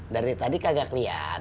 dari tadi kagak kelihatan